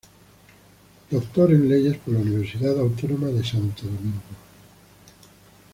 Doctor en leyes por la Universidad Autónoma de Santo Domingo.